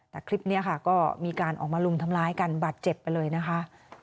แต่คลิปนี้ค่ะก็มีการออกมาลุมทำร้ายกันบาดเจ็บไปเลยนะคะ